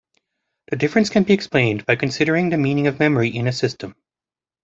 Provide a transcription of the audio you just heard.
The difference can be explained by considering the meaning of memory in a system.